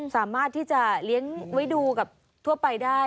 สามารถที่จะเลี้ยงไว้ดูกับทั่วไปได้